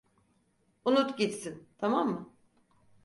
Unut gitsin, tamam mı?